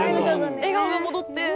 笑顔が戻って。